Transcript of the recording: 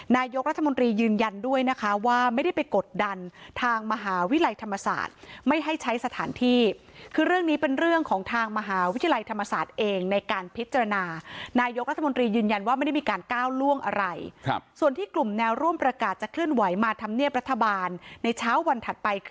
นายกรัฐมนตรียืนยันด้วยนะคะว่าไม่ได้ไปกดดันทางมหาวิทยาลัยธรรมศาสตร์ไม่ให้ใช้สถานที่คือเรื่องนี้เป็นเรื่องของทางมหาวิทยาลัยธรรมศาสตร์เองในการพิจารณานายกรัฐมนตรียืนยันว่าไม่ได้มีการก้าวล่วงอะไรส่วนที่กลุ่มแนวร่วมประกาศจะเคลื่อนไหวมาทำเนียบรัฐบาลในเช้าวันถัดไปคือ